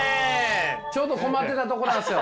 ちょうど困ってたとこなんすよ。